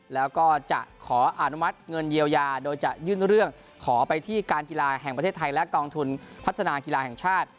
แล้วก็จะขออนุมัติเงินเยียวยาโดยจะยื่นเรื่องขอไปที่การกีฬาแห่งประเทศไทยและกองทุนพัฒนากีฬาแห่งชาติ